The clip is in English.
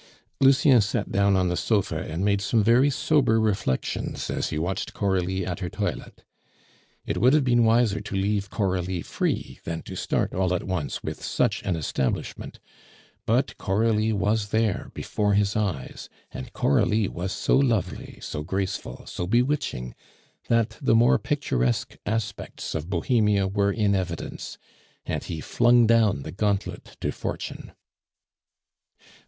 Lucien sat down on the sofa and made some very sober reflections as he watched Coralie at her toilet. It would have been wiser to leave Coralie free than to start all at once with such an establishment; but Coralie was there before his eyes, and Coralie was so lovely, so graceful, so bewitching, that the more picturesque aspects of bohemia were in evidence; and he flung down the gauntlet to fortune.